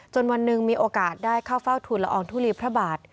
วันหนึ่งมีโอกาสได้เข้าเฝ้าทุนละอองทุลีพระบาท